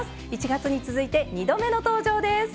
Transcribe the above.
１月に続いて２度目の登場です。